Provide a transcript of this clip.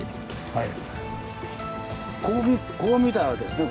はい。